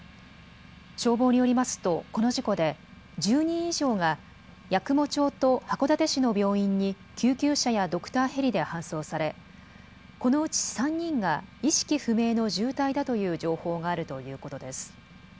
消防によりますとこの事故で１０人以上が八雲町と函館市の病院に救急車やドクターヘリで搬送されこのうち３人が意識不明の重体だという情報があるということです。